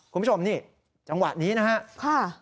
คุณผู้ชมนี่จังหวะนี้นะครับ